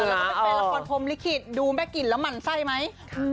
แล้วก็เป็นแฟนละครพรมลิขิตดูแม่กลิ่นแล้วหมั่นไส้ไหม